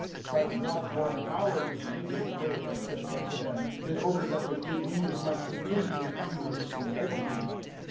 002:005 But not for an hour did we give way and submit to them; in order that the Good News might continue with you in its integrity.